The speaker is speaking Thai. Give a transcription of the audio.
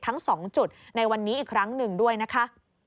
ทั้ง๒จุดในวันนี้อีกครั้งหนึ่งด้วยนะคะ